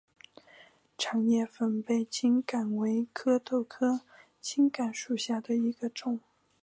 长叶粉背青冈为壳斗科青冈属下的一个种。